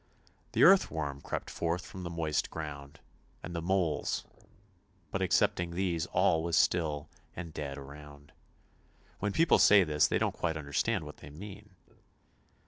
The earthworm crept forth from the moist ground, and the moles — but excepting these all was still and dead around; when people say this they don't quite under stand what they mean.